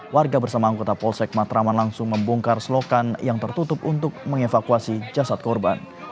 warga bersama anggota polsek matraman langsung membongkar selokan yang tertutup untuk mengevakuasi jasad korban